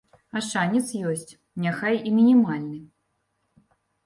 А шанец ёсць, няхай і мінімальны.